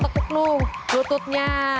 ditekuk nung lututnya